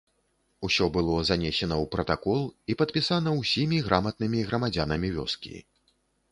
Усё было занесена ў пратакол і падпісана ўсімі граматнымі грамадзянамі вёскі.